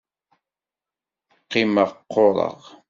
Qqimeɣ, qqureɣ.